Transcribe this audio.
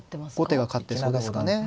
後手が勝ってそうですかね。